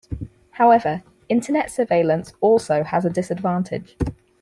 However, Internet surveillance also has a disadvantage.